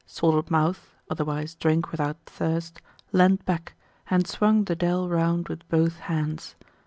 Salted Mouth, otherwise Drink without Thirst, leant back, and swung Dedele round with both hands.